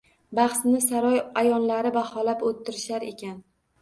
Bahsni saroy a’yonlari baholab o‘tirishar ekan.